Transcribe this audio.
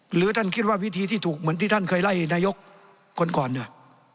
หรือท่านคิดว่าวิธีที่ถูกเหมือนที่ท่านเคยไล่นายกคนก่อนเนี่ย